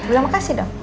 bulan makasih dong